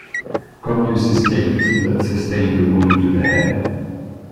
Commius escaped, but sustained a wound to the head.